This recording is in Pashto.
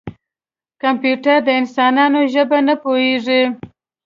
کمپیوټر د انسانانو ژبه نه پوهېږي.